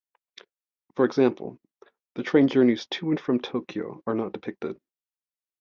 For example, the train journeys to and from Tokyo are not depicted.